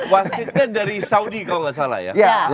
wasitnya dari saudi kalau nggak salah ya